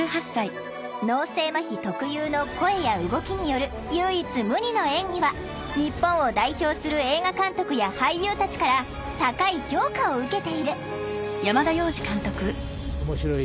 脳性まひ特有の声や動きによる唯一無二の演技は日本を代表する映画監督や俳優たちから高い評価を受けている。